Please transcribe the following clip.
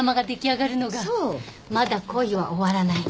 『まだ恋は終わらない』